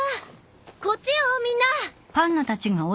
こっちよみんな。